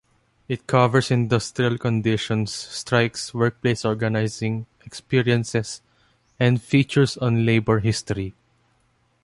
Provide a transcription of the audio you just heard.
It covers industrial conditions, strikes, workplace organizing experiences, and features on labor history.